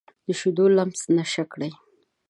د شیدو لمس نشه کړي